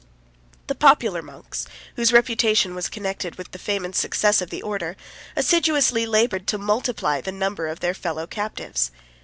26 The popular monks, whose reputation was connected with the fame and success of the order, assiduously labored to multiply the number of their fellow captives.